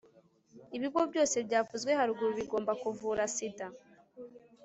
ibigo byose byavuzwe haruguru bigomba kuvura sida